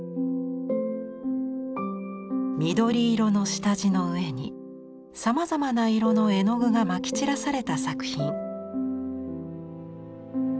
緑色の下地の上にさまざまな色の絵の具がまき散らされた作品。